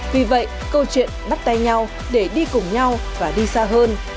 vì vậy câu chuyện bắt tay nhau để đi cùng nhau và đi xa hơn